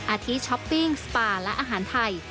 อาทิช้อปปิ้งสปาและอาหารไทย